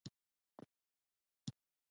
احوال یې هم وا نه خیست.